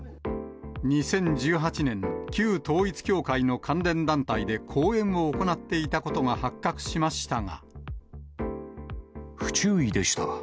２０１８年、旧統一教会の関連団体で講演を行っていたことが発覚しましたが。